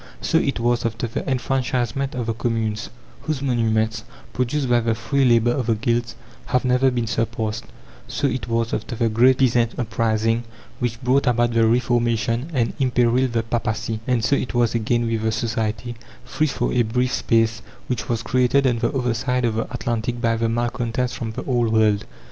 So it was after the enfranchisement of the communes, whose monuments, produced by the free labour of the guilds, have never been surpassed; so it was after the great peasant uprising which brought about the Reformation and imperilled the papacy; and so it was again with the society, free for a brief space, which was created on the other side of the Atlantic by the malcontents from the Old world.